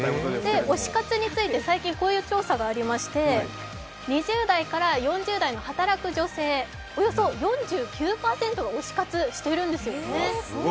推し活について最近、こういう調査がありまして、２０代から４０代の働く女性のおよそ４９％が推し活しているんですよね。